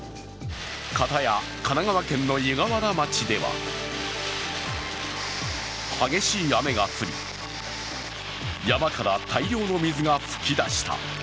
片や、神奈川県の湯河原町では激しい雨が降り、山から大量の水が噴き出した。